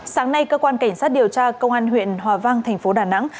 sáng nay cơ quan cảnh sát điều tra công an huyện hòa vang thành phố đà nẵng